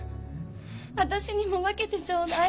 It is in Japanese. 私にも分けてちょうだい。